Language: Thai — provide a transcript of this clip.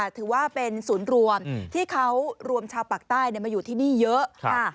ถือว่าเป็นศูนย์รวมที่เขารวมชาวปากใต้มาอยู่ที่นี่เยอะ